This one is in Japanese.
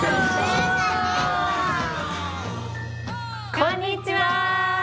こんにちは！